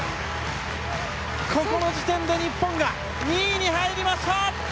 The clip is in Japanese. ここの時点で日本が２位に入りました！